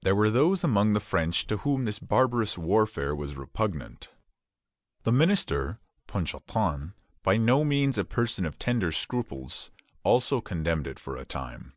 There were those among the French to whom this barbarous warfare was repugnant. The minister, Ponchartrain, by no means a person of tender scruples, also condemned it for a time.